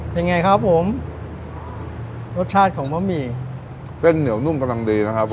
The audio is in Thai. เป็นไงครับผมรสชาติของบะหมี่เส้นเหนียวนุ่มกำลังดีนะครับ